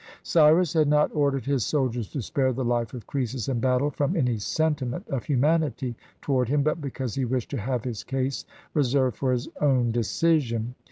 ■ Cyrus had not ordered his soldiers to spare the life of Croesus in battle from any sentiment of humanit} toward him, but because he wished to have his case reserved for his own decision.